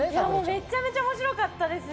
めちゃくちゃ面白かったです。